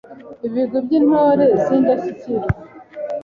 ibigwi by’Intore z’indashyikirwa.